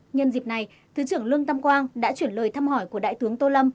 nhân dịp này thứ trưởng lương tâm quang đã chuyển lời thăm hỏi của đại tướng tô lâm